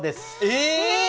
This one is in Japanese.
え！